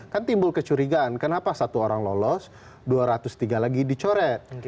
kan timbul kecurigaan kenapa satu orang lolos dua ratus tiga lagi dicoret